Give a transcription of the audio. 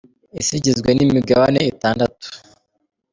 Isi igizwe nimigabane itandatu.